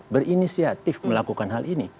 berinisiatif melakukan hal ini